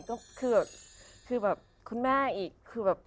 ก็คือแบบคุณแม่อีกคือแบบ